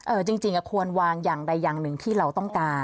จริงควรวางอย่างใดอย่างหนึ่งที่เราต้องการ